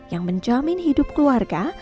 yang menjamin hidup keluarga